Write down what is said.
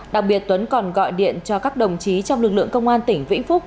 đặc biệt tuấn còn gọi điện cho các đồng chí trong lực lượng công an tỉnh vĩnh phúc